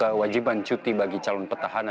seperti kewajiban cuti bagi calon pertama